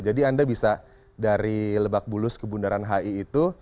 jadi anda bisa dari lebak bulus ke bundaran hi itu